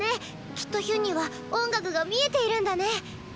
きっとヒュンには音楽が見えているんだね！